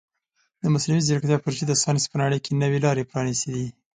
د مصنوعي ځیرکتیا پروژې د ساینس په نړۍ کې نوې لارې پرانیستې دي.